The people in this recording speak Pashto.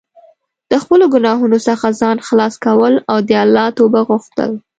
د خپلو ګناهونو څخه ځان خلاص کول او د الله توبه غوښتل.